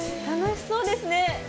たのしそうですね！